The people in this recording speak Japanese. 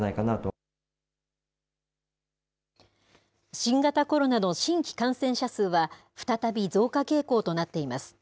新型コロナの新規感染者数は、再び増加傾向となっています。